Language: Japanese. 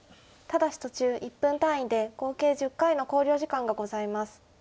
ただし途中１分単位で合計１０回の考慮時間がございます。